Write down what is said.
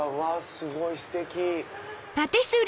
すごいステキ！